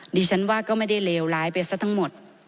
ดิฉันว่าก็ไม่ได้เลวร้ายไปซะทั้งหมด